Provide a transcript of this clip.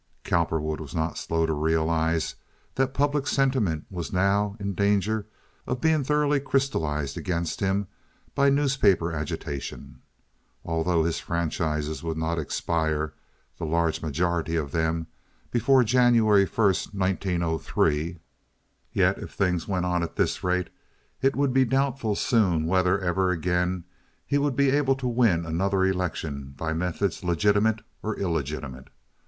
Cowperwood was not slow to realize that public sentiment was now in danger of being thoroughly crystallized against him by newspaper agitation. Although his franchises would not expire—the large majority of them—before January 1, 1903, yet if things went on at this rate it would be doubtful soon whether ever again he would be able to win another election by methods legitimate or illegitimate.